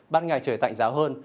ban ngày trời tạnh giáo hơn